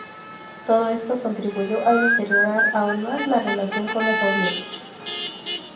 Todo esto contribuyó a deteriorar aún más la relación con las audiencias.